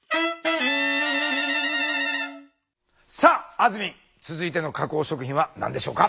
さああずみん続いての加工食品は何でしょうか？